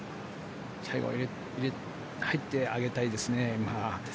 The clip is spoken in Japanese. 最後入って上げたいですね。